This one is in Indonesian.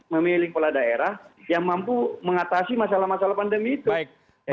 memilih kepala daerah yang mampu mengatasi masalah masalah pandemi itu